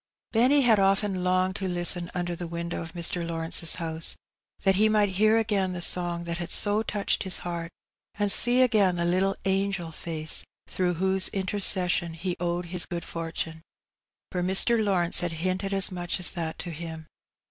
Benny had often longed to listen under the window of Mr. Lawrence's house, that he might hear again the song that had so touched his heart, and see again the little angel face through whose intercession he owed his good fortune; for Mr. Lawrence had hinted as much as that to him.